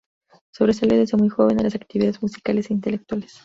Sobresalió desde muy joven en las actividades musicales e intelectuales.